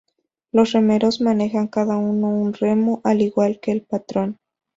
Los remeros manejan cada uno un remo, al igual que el patrón.